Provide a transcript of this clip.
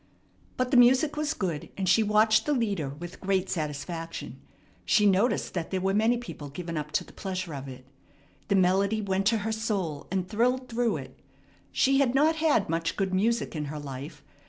But the music was good, and she watched the leader with great satisfaction. She noticed that there were many people given up to the pleasure of it. The melody went to her soul, and thrilled through it. She had not had much good music in her life.